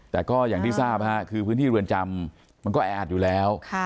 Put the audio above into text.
แต่ก็อย่างที่ทราบคือพื้นที่เรือนจำมันก็แออัดอยู่แล้ว